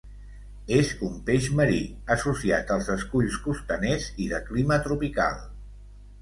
És un peix marí, associat als esculls costaners i de clima tropical.